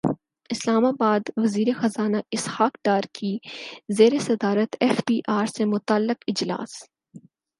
اسلام اباد وزیر خزانہ اسحاق ڈار کی زیر صدارت ایف بی ار سے متعلق اجلاس